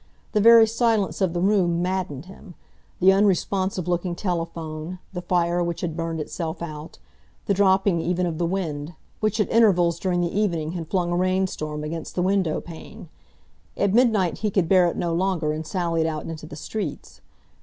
The very silence of the room maddened him, the unresponsive looking telephone, the fire which had burned itself out, the dropping even of the wind, which at intervals during the evening had flung a rainstorm against the windowpane. At midnight he could bear it no longer and sallied out into the streets.